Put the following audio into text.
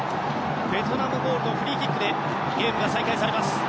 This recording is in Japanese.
ベトナムボールのフリーキックでゲームが再開されます。